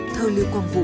thơ lưu quang vũ